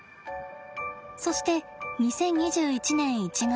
そして２０２１年１月。